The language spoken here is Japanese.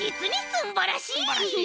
すんばらしい。